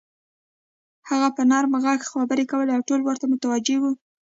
هغه په نرم غږ خبرې کولې او ټول ورته متوجه وو.